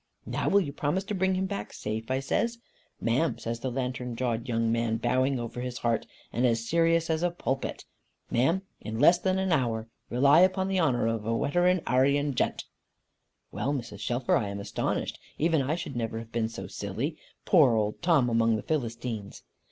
'Now will you promise to bring him back safe?' I says. 'Ma'am,' says the lantern jawed young man, bowing over his heart, and as serious as a pulpit, 'Ma'am, in less than an hour. Rely upon the honour of Weteran Arian Gent." "Well, Mrs. Shelfer, I am astonished. Even I should never have been so silly. Poor old Tom among the Philistines!"